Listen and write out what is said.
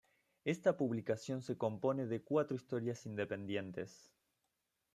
Esta publicación se compone de cuatro historias independientes.